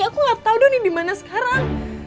aku gak tau doni dimana sekarang